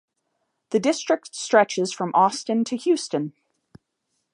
The district stretches from Austin to Houston.